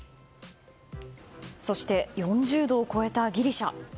そして、４０度を超えたギリシャ。